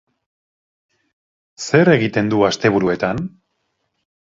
Zer egiten du asteburuetan?